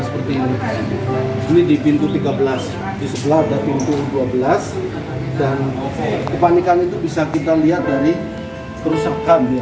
seperti di pintu tiga belas di sebelah ada pintu dua belas dan kepanikan itu bisa kita lihat dari kerusakan